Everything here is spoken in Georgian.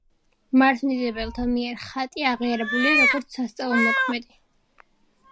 მართლმადიდებელთა მიერ ხატი აღიარებულია, როგორც „სასწაულთმოქმედი“.